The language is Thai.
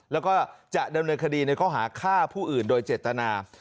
แล้วก็จะดำเนินคดีในข้อหาฆ่าผู้อื่นโดยเจตนา